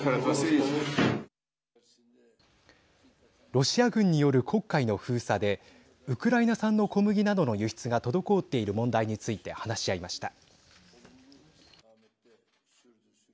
ロシア軍による黒海の封鎖でウクライナ産の小麦などの輸出が滞っている問題について話し合いました。